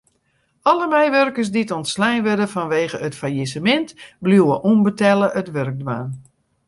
Alle meiwurkers dy't ûntslein wurde fanwegen it fallisemint bliuwe ûnbetelle it wurk dwaan.